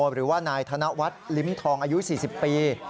หรือว่านายธนวัฒน์ลิ้มทองอายุ๔๐ปี